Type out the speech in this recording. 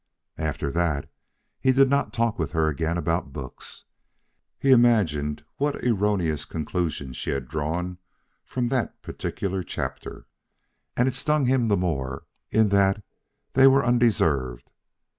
After that he did not talk with her again about books. He imagined what erroneous conclusions she had drawn from that particular chapter, and it stung him the more in that they were undeserved.